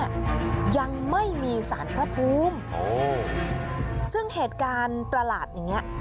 ยังไม่มีสารพระภูมิซึ่งเหตุการณ์ตลาดอย่างนี้